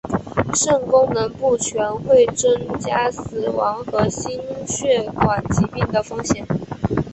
肾功能不全会增加死亡和心血管疾病的风险。